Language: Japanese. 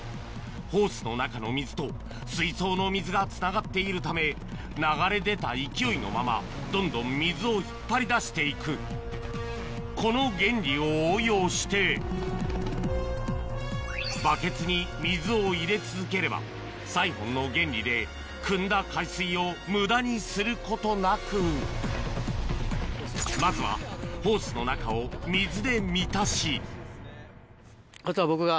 ホースの中の水と水槽の水がつながっているため流れ出た勢いのままどんどん水を引っ張り出していくこの原理を応用してバケツに水を入れ続ければサイフォンの原理でくんだ海水を無駄にすることなくまずはあとは僕が。